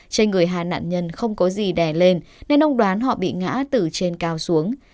trên người hà nạn nhân không có gì đè lên nên ông đoán họ bị ngã từ trên cao xuống